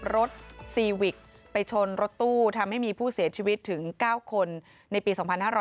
ซีวิกไปชนรถตู้ทำให้มีผู้เสียชีวิตถึง๙คนในปี๒๕๕๙